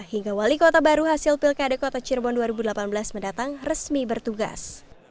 hingga wali kota baru hasil pilkada kota cirebon dua ribu delapan belas mendatang resmi bertugas